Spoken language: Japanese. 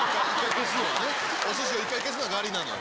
おすしを一回消すのはガリなのよ。